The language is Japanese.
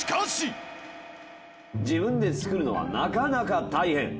自分で作るのはなかなか大変。